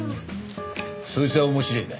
そいつは面白えな。